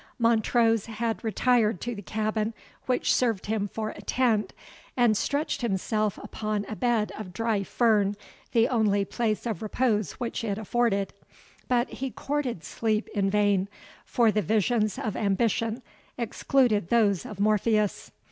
Montrose had retired to the cabin which served him for a tent, and stretched himself upon a bed of dry fern, the only place of repose which it afforded. But he courted sleep in vain, for the visions of ambition excluded those of Morpheus.